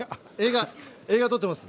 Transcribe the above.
映画撮ってます。